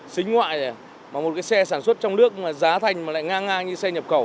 xính ngoại này mà một cái xe sản xuất trong nước mà giá thành mà lại ngang ngang như xe nhập khẩu